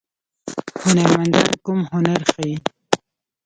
هنرمندان کوم هنر ښيي؟